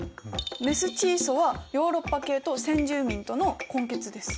メスチーソはヨーロッパ系と先住民との混血です。